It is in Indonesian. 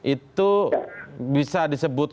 itu bisa disebut